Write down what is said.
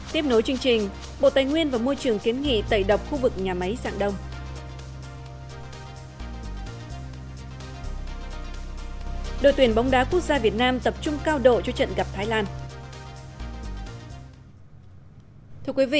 tiếp nối chương trình bộ tài nguyên và môi trường kiến nghị tẩy độc khu vực nhà máy